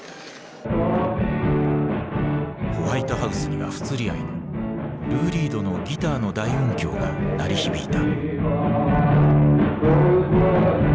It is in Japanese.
ホワイトハウスには不釣り合いのルー・リードのギターの大音響が鳴り響いた。